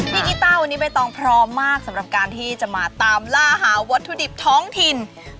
กีต้าวันนี้ใบตองพร้อมมากสำหรับการที่จะมาตามล่าหาวัตถุดิบท้องถิ่น